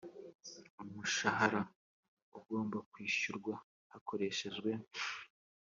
umushahara ugomba kwishyurwa hakoreshejwe